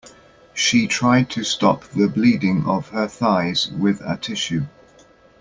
She tried to stop the bleeding of her thighs with a tissue.